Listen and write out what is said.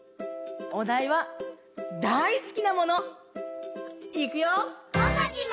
おだいは「だいすきなもの」。いくよ！